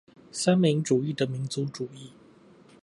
三民主義的民族主義